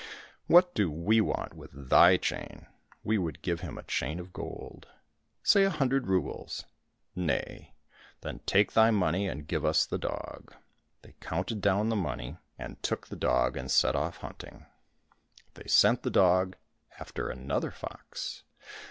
—" What do we want with thy chain, we would give him a chain of gold. Say a hun dred roubles !"—" Nay !"—" Then take thy money and give us the dog." They counted down the money and 21 COSSACK FAIRY TALES took the dog and set off hunting. They sent the dog after another fox.